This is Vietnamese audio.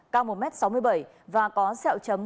cao một m sáu mươi bảy và có sẹo chấm